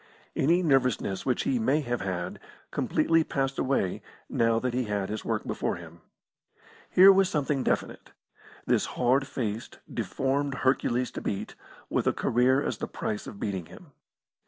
Any nervousness which he may have had completely passed away now that he had his work before him. Here was something definite this hard faced, deformed Hercules to beat, with a career as the price of beating him.